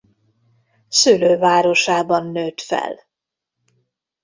Szülővárosában nőtt fel.